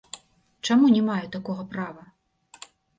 Чаму не маю такога права?